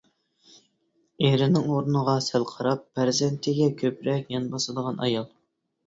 ئېرىنىڭ ئورنىغا سەل قاراپ، پەرزەنتىگە كۆپرەك يان باسىدىغان ئايال.